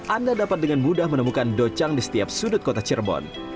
anda dapat dengan mudah menemukan docang di setiap sudut kota cirebon